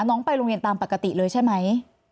น้องไปโรงเรียนตามปกติเลยใช่ไหม